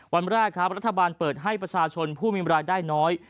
วันแรกครับรัฐบาลเปิดให้ประชาชนผู้มีรายได้น้อย